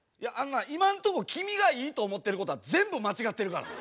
今んとこ君がいいと思ってることは全部間違ってるからな。